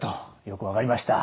よく分かりました。